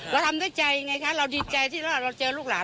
เราทำด้วยใจไงคะเราดีใจที่ว่าเราเจอลูกหลาน